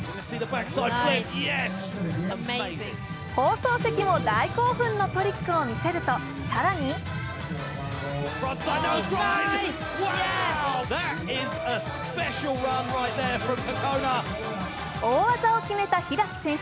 放送席も大興奮のトリックを見せると更に大技を決めた開選手